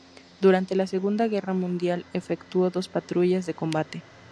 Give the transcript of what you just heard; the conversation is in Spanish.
Durante la Segunda Guerra Mundial, efectuó dos patrullas de combate.